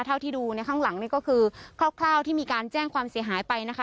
เท่าที่ดูในข้างหลังนี่ก็คือคร่าวที่มีการแจ้งความเสียหายไปนะคะ